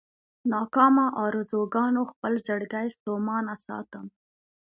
ناکامو ارزوګانو خپل زړګی ستومانه ساتم.